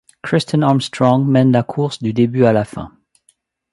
Kristin Armstrong mène la course du début à la fin.